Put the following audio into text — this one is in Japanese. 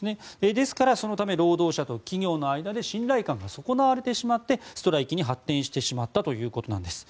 ですから、そのため労働者と企業の間で信頼感が損なわれてしまってストライキに発展してしまったということです。